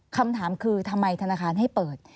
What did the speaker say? คำถามคือทำไมธนาคารให้เปิด